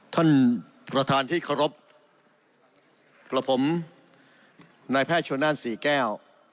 ท่านประธานที่เคารพกับผมนายแพทย์ชนนั่นศรีแก้ว